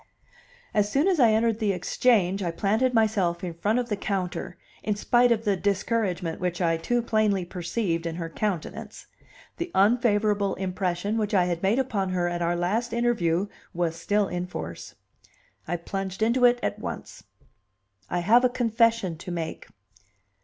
As soon as I entered the Exchange I planted myself in front of the counter, in spite of the discouragement which I too plainly perceived in her countenance; the unfavorable impression which I had made upon her at our last interview was still in force. I plunged into it at once. "I have a confession to make."